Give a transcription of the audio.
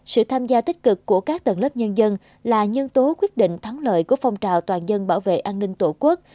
sự tham gia tích cực của các tầng lớp nhân dân là nhân tố quyết định thắng lợi của phong trào toàn dân bảo vệ an ninh tổ quốc